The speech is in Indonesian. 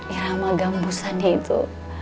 irama gambusannya itu